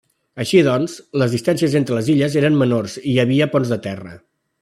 Així doncs, les distàncies entre les illes eren menors i hi havia ponts de terra.